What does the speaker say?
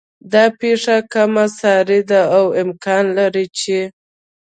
دا پېښه کم سارې ده او امکان لري چې